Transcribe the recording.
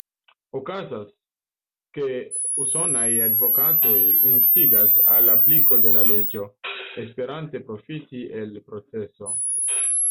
Okazas, ke usonaj advokatoj instigas al apliko de la leĝo, esperante profiti el proceso.